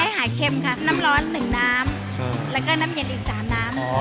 หายเค็มค่ะน้ำร้อน๑น้ำแล้วก็น้ำเย็นอีก๓น้ำ